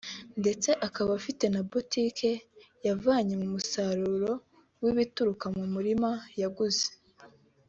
ndetse akaba afite na butike yavanye mu musaruro w’ibituruka mu murima yaguze